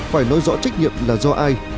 phải nói rõ trách nhiệm là do ai